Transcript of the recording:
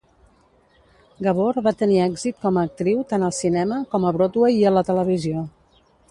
Gabor va tenir èxit com a actriu tant al cinema, com a Broadway i a la televisió.